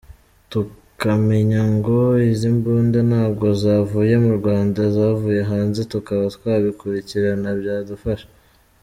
Tukamenya ngo izi mbunda ntabwo zavuye mu Rwanda zavuye hanze tukaba twabikurikirana byadufasha”.